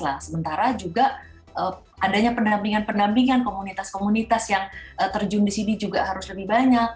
nah sementara juga adanya pendampingan pendampingan komunitas komunitas yang terjun di sini juga harus lebih banyak